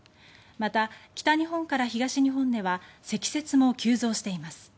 また、北日本から東日本では積雪も急増しています。